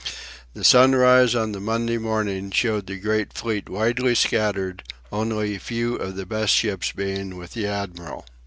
The sunrise on the Monday morning showed the great fleet widely scattered, only a few of the best ships being with the admiral.